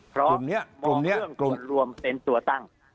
เพราะมองเรื่องก่อนรวมเป็นตัวตั้ง